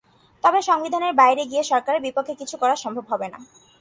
তবে সংবিধানের বাইরে গিয়ে সরকারের পক্ষে কিছু করা সম্ভব হবে না।